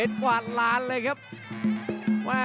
ต้องบอกว่าการชกกังวันเนี่ยหลายคนไม่ชอบครับ